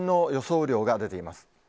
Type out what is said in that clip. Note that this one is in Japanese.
雨量が出ています。